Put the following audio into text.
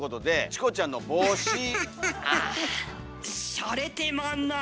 しゃれてまんなあ。